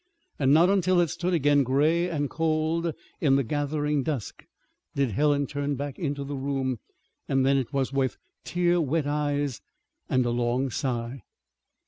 And not until it stood again gray and cold in the gathering dusk did Helen turn back into the room; and then it was with tear wet eyes and a long sigh.